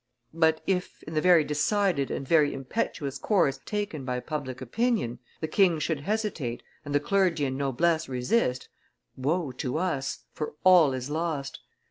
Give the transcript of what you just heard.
But if, in the very decided and very impetuous course taken by public opinion, the king should hesitate and the clergy and noblesse resist, woe to us, for all is lost!